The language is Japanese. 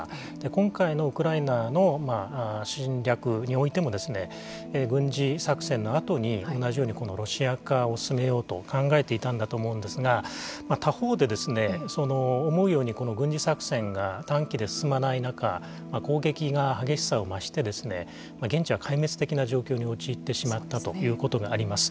今回のウクライナの侵略においても軍事作戦の後に同じようにロシア化を進めようと考えていたんだと思うんですが他方で思うように軍事作戦が短期で進まない中攻撃が激しさを増して現地は、壊滅的な状況に陥ってしまったということがあります。